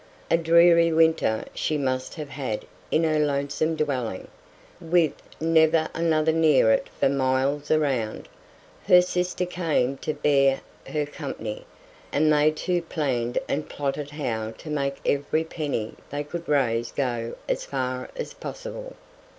A dreary winter she must have had in her lonesome dwelling, with never another near it for miles around; her sister came to bear her company, and they two planned and plotted how to make every penny they could raise go as far as possible.